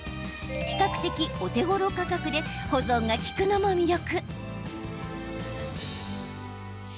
比較的お手ごろ価格で保存が利くのも魅力。